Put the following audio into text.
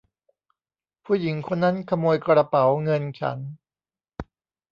ผู้หญิงคนนั้นขโมยกระเป๋าเงินฉัน !